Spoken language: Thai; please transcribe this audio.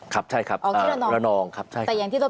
ครับใช่ครับระนองครับใช่ครับออกที่ระนอง